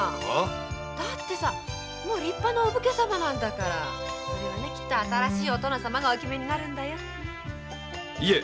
だってもう立派なお武家さんですもの。きっと新しいお殿様がお決めになるんだよネ。